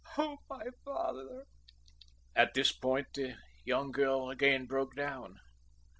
Oh, my father!" At this point the young girl again broke down.